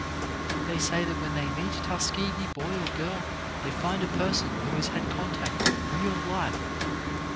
They say that when they meet a Tuske gee boy or girl they find a person who has had contact with real life.